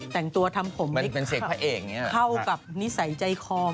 แต่งตัวทำผมเห็นเสกพระเอกเข้ากับนิสัยใจคอมากชอบ